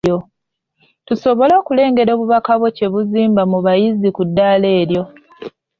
Tusobole okulengera obubaka obwo kye buzimba mu bayizi ku ddaala eryo.